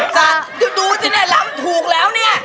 สัตว์ดูสินะลำถูกแล้วเนี่ย